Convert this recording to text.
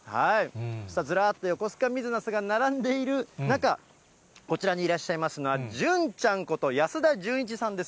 ずらっと、よこすか水なすが並んでいる中、こちらにいらっしゃいますのは、潤ちゃんこと安田潤一さんです。